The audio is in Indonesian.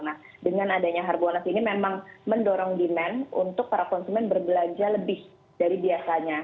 nah dengan adanya harbolnas ini memang mendorong demand untuk para konsumen berbelanja lebih dari biasanya